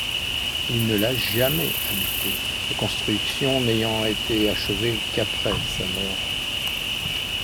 Il ne l'a jamais habitée, la construction n'ayant été achevée qu'après sa mort.